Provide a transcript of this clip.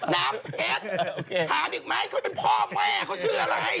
น้ำเพชรถามอีกไหมเขาเป็นพ่อแม่เขาชื่ออะไร